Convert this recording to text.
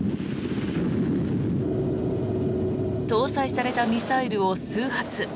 搭載されたミサイルを数発